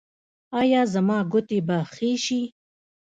ایا زما ګوتې به ښې شي؟